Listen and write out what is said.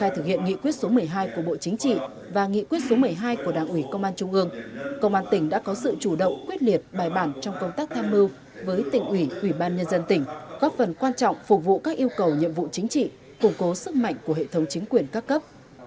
trong thực hiện nghị quyết số một mươi hai của bộ chính trị và nghị quyết số một mươi hai của đảng ủy công an trung ương công an tỉnh đã có sự chủ động quyết liệt bài bản trong công tác tham mưu với tỉnh ủy ủy ban nhân dân tỉnh góp phần quan trọng phục vụ các yêu cầu nhiệm vụ chính trị củng cố sức mạnh của hệ thống chính quyền các cấp